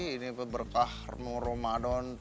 ini berkah ramadan